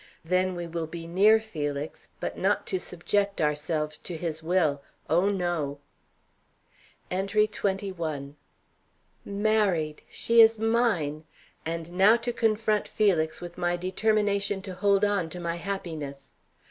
Then we will be near Felix, but not to subject ourselves to his will. Oh, no! ENTRY XXI. Married! She is mine. And now to confront Felix with my determination to hold on to my happiness.